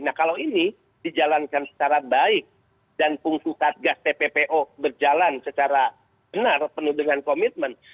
nah kalau ini dijalankan secara baik dan fungsi satgas tppo berjalan secara benar penuh dengan komitmen